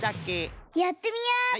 やってみようっと。